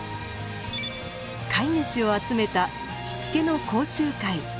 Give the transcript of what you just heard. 飼い主を集めたしつけの講習会。